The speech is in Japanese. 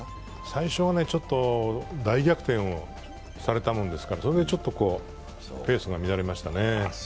最初はちょっと大逆転をされたもんですからそれでちょっとペースが乱れましたね。